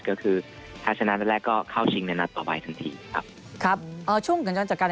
ก็คือถ้าชนะตั้งแต่แรกก็เข้าชิงในนัดต่อไปสักทีครับ